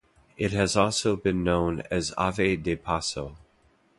It has also been known as Ave de Paso.